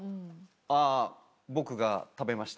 あぁ僕が食べました。